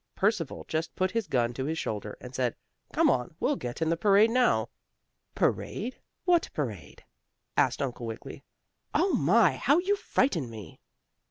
Percival just put his gun to his shoulder, and said: "Come on, we'll get in the parade now." "Parade? What parade?" asked Uncle Wiggily. "Oh my! how you frightened me!"